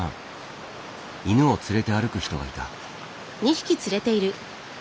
犬を連れて歩く人がいた。